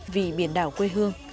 vì biển đảo quê hương